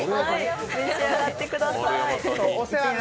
召し上がってください。